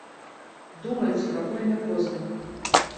Думайце, пакуль не позна!